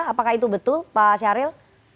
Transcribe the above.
apakah itu betul pak syahril